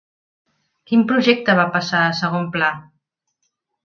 Quin projecte va passar a segon pla?